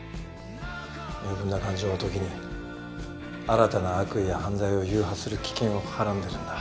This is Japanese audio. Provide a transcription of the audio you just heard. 余分な感情は時に新たな悪意や犯罪を誘発する危険をはらんでるんだ。